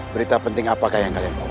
berita penting apakah yang kalian tahu